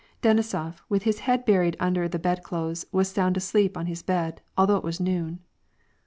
Denisof, with his head buried under the bedclothes, was sound asleep on his bed, although it was noon.